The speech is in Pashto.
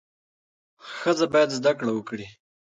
ښځه باید زده کړه وکړي.